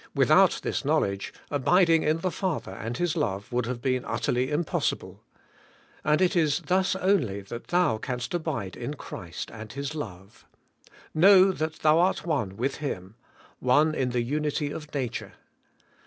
Without this knowl edge, abiding in the Father and His love would have been utterly impossible. And it is thus only that thou canst abide in Christ and His love. Know that thou art one 'with Him — one in the unity of nature.